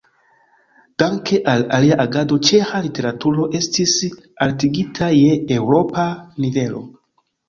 Danke al ilia agado ĉeĥa literaturo estis altigita je eŭropa nivelo.